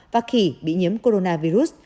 và khỉ bị nhiễm coronavirus